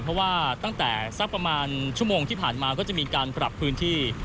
เพราะว่าตั้งแต่สักประมาณชั่วโมงที่ผ่านมาก็จะมีการปรับพื้นที่